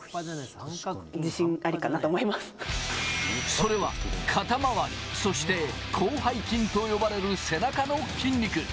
それは肩回り、そして広背筋と呼ばれる背中の筋肉。